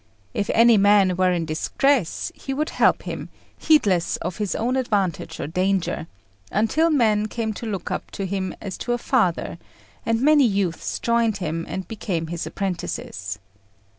If any man were in distress, he would help him, heedless of his own advantage or danger, until men came to look up to him as to a father, and many youths joined him and became his apprentices.